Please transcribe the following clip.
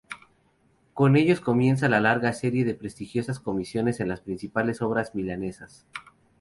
Con ellos comienza la larga serie de prestigiosas comisiones en las principales obras milanesas.